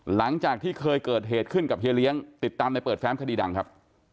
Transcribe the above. หลังจากที่เคยเกิดเหตุขึ้นกับเฮียเลี้ยงติดตามในเปิดแฟ้มคดีดังครับ